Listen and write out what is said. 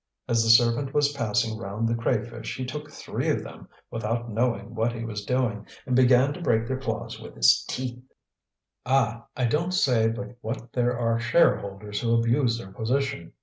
As the servant was passing round the crayfish he took three of them without knowing what he was doing and began to break their claws with his teeth. "Ah! I don't say but what there are shareholders who abuse their position.